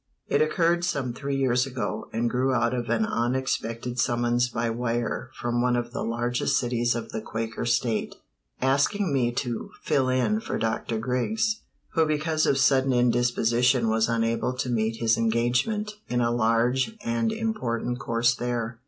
It occurred some three years ago, and grew out of an unexpected summons by wire from one of the largest cities of the Quaker State asking me to "fill in" for Dr. Griggs, who because of sudden indisposition was unable to meet his engagement in a large and important course there.